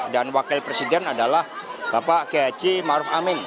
dan wakil presiden adalah bapak keaci maruf amin